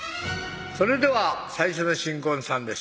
それでは最初の新婚さんです